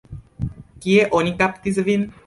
Kie oni kaptis vin?